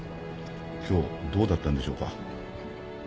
今日どうだったんでしょうか？